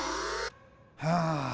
はあ。